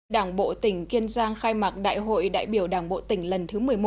đảng bộ tỉnh kiên giang khai mạc đại hội đại biểu đảng bộ tỉnh lần thứ một mươi một